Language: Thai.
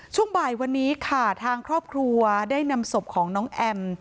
ช่วงบ่ายวันนี้ค่ะทางครอบครัวได้นำศพของน้องแอม